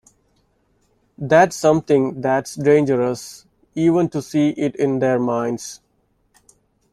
That something that's dangerous, even to see it in their minds.